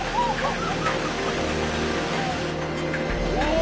お！